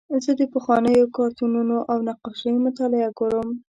زه د پخوانیو کارتونونو او نقاشیو مطالعه کوم.